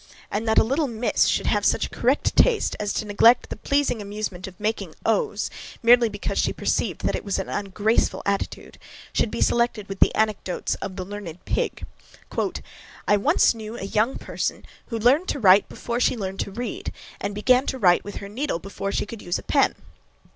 And that a little miss should have such a correct taste as to neglect the pleasing amusement of making O's, merely because she perceived that it was an ungraceful attitude, should be selected with the anecdotes of the learned pig.* (*Footnote. "I once knew a young person who learned to write before she learned to read, and began to write with her needle before she could use a pen.